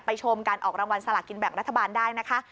ชมการออกรางวัลสลากินแบ่งรัฐบาลได้นะคะ